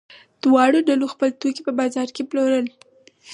دواړو ډلو خپل توکي په بازار کې پلورل.